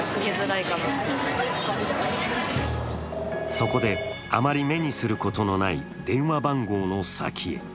そこで、あまり目にすることのない電話番号の先へ。